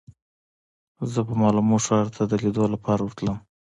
زه به مالمو ښار ته د لیدو لپاره ورتلم.